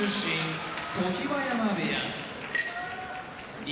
常盤山部屋錦